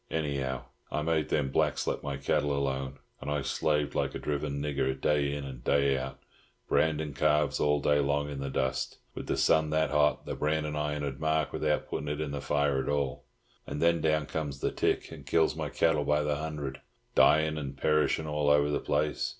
Anyhow, I made them blacks let my cattle alone. And I slaved like a driven nigger, day in and day out, brandin' calves all day long in the dust, with the sun that hot, the brandin' iron 'ud mark without puttin' it in the fire at all. And then down comes the tick, and kills my cattle by the hundred, dyin' and perishin' all over the place.